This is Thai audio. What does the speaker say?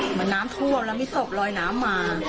เหมือนน้ำท่วมแล้วมีศพลอยน้ำมา